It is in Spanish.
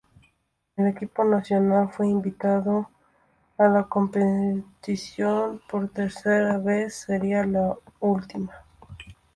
El equipo nacional fue invitado a la competición por tercera vez; sería la última.